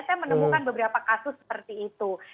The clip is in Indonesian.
saya menemukan beberapa kasus seperti itu